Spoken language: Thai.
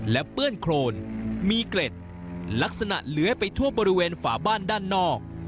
และเปื้อนโครนมีเกล็ดลักษณะเลื้อยไปทั่วบริเวณฝาบ้านด้านนอก